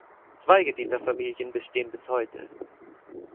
Zweige dieser Familien bestehen bis heute.